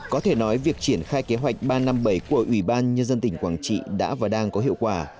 có thể nói việc triển khai kế hoạch ba trăm năm mươi bảy của ủy ban nhân dân tỉnh quảng trị đã và đang có hiệu quả